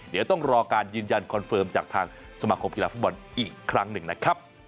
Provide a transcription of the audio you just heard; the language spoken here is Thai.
เดี๋ยวต้องรอการยืนยันคอนเฟิร์มจากทางสมาคมกีฬาฟุตบอลอีกครั้งหนึ่งนะครับ